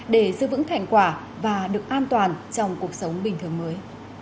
để giữ vững thành quả và được an toàn trong cuộc sống bình thường mới